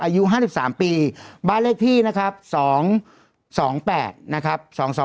อายุ๕๓ปีบ้านเลขที่นะครับ๒๒๘นะครับ